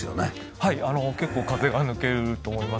はい結構風が抜けると思います。